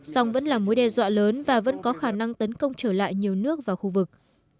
song vẫn là mối đe dọa lớn và vẫn có khả năng tấn công trở lại nhiều nước và khu vực